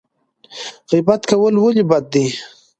غیبت کول ولې بد دي؟